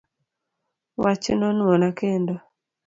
Wachno nuona kendo